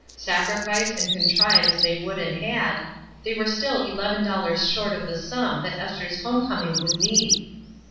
Sacrifice and con trive as they would and had, they were still eleven dollars short of the sum that Esther's home coming would need.